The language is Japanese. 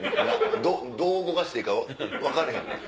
どう動かしていいか分かれへんねん。